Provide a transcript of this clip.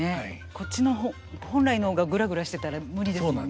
こっちの本来の方がぐらぐらしてたら無理ですもんね。